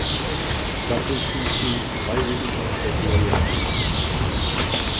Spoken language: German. Staffel schied sie freiwillig aus der Serie aus.